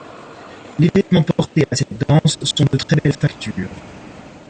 Les vêtement portés à cette danse sont de très belle facture.